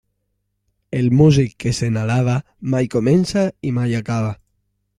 El músic que se n'alaba, mai comença i mai acaba.